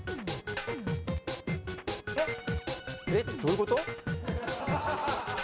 えっどういうこと？